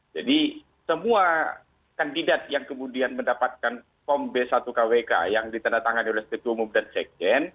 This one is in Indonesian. jadi semua kandidat yang kemudian mendapatkan pom b satu kwk yang ditandatangani oleh setua umum dan sekjen